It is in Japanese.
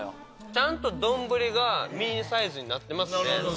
ちゃんと丼がミニサイズになってますね。